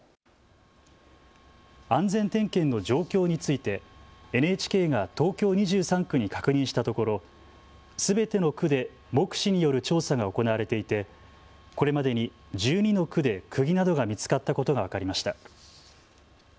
安全点検の状況についてＮＨＫが東京２３区に確認したところ、すべての区で目視による調査が行われていて、これまでに１２の区でくぎなどが見つかったことが分かりました。